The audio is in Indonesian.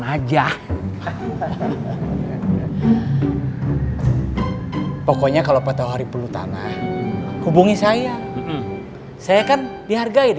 kerja pokoknya kalau patuh hari perlu tanah hubungi saya saya kan dihargai di